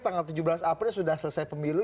tanggal tujuh belas april sudah selesai pemilu